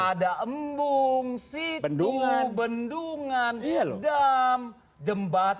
ada embung situng bendungan dam jembatan